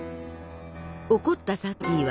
怒ったサティは。